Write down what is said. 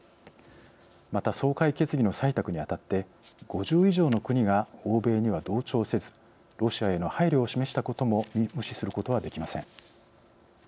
また、総会決議の採択にあたって５０以上の国が欧米には同調せずロシアへの配慮を示したことも無視することはできません。